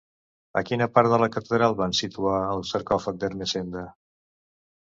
A quina part de la catedral van situar el sarcòfag d'Ermessenda?